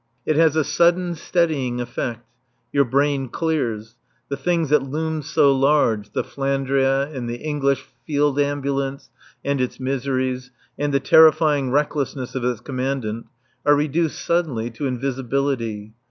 It has a sudden steadying effect. Your brain clears. The things that loomed so large, the "Flandria," and the English Field Ambulance and its miseries, and the terrifying recklessness of its Commandant, are reduced suddenly to invisibility.